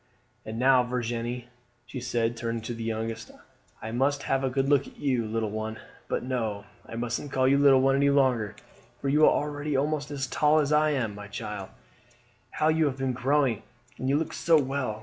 "And now, Virginie," she said, turning to the youngest, "I must have a good look at you, little one but no, I mustn't call you little one any longer, for you are already almost as tall as I am. My child, how you have been growing, and you look so well!